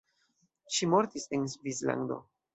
Ŝi mortis en Svislando.